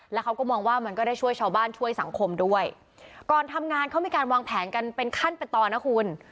แล้วเขาก็มองว่ามันก็ได้ช่วยชาวบ้านช่วยสังคมด้วยก่อนทำงานเขามีการวางแผนกันเป็นขั้นเป็นตอนนะคุณ